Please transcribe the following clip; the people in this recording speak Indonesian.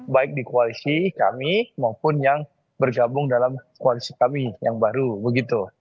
baik di koalisi kami maupun yang bergabung dalam koalisi kami yang baru begitu